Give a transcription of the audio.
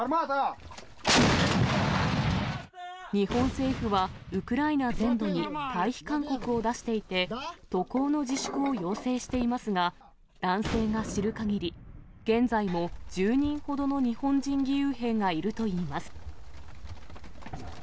日本政府は、ウクライナ全土に退避勧告を出していて、渡航の自粛を要請していますが、男性が知るかぎり、現在も１０人ほどの日本人義勇兵がいるといいます。